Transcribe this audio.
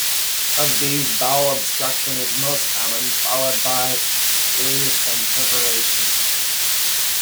Of these, bowel obstruction is most common, followed by ileus and perforation.